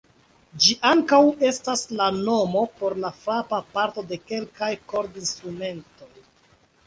Ĝi ankaŭ estas la nomo por la frapa parto de kelkaj kordinstrumentoj.